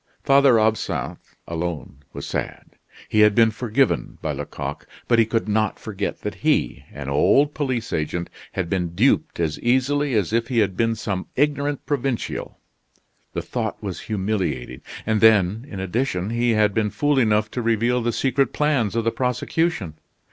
Father Absinthe alone was sad. He had been forgiven by Lecoq, but he could not forget that he, an old police agent, had been duped as easily as if he had been some ignorant provincial. The thought was humiliating, and then in addition he had been fool enough to reveal the secret plans of the prosecution!